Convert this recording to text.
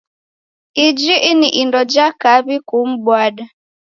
Iji ini indo ja kaw'I kumbwada.